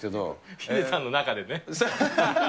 ヒデさんの中でね。